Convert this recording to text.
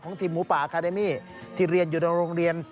ทีมหมูป่าอาคาเดมี่ที่เรียนอยู่ในโรงเรียน